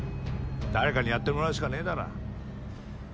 誰かにやってもらうしかねぇだろ。